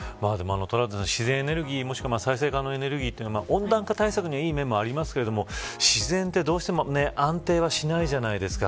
自然エネルギー、もしくは再生可能エネルギーは温暖化対策にもいい面がありますが自然ってどうしても安定はしないじゃないですか。